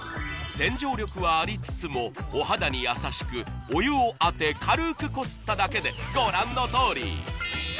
洗浄力はありつつもお肌に優しくお湯を当て軽くこすっただけでご覧のとおり！